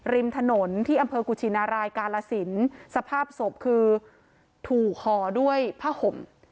ริมถนนที่อำเภอกุชินารายกาลสินสภาพศพคือถูกห่อด้วยผ้าห่ม